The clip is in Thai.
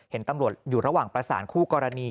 เห็นตำรวจอยู่ระหว่างประสานคู่กรณี